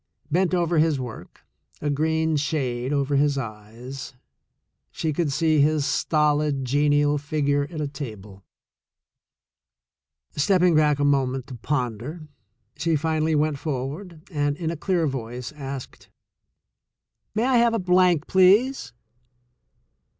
Bent over his work, a green shade over his eyes, she could see his stolid, genial figure at a table. Stepping back a THE SECOND CHOICE 153 moment to ponder, she finally went forward and, in a clear voice, asked, "May I have a blank, please